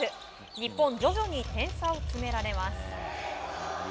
日本、徐々に点差を詰められます。